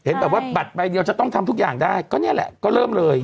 แบบว่าบัตรใบเดียวจะต้องทำทุกอย่างได้ก็นี่แหละก็เริ่มเลย